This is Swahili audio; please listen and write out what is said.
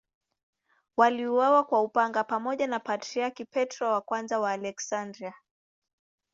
Waliuawa kwa upanga pamoja na Patriarki Petro I wa Aleksandria.